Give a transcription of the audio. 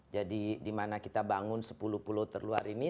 jadi di mana kita bangun sepuluh pulau terluar ini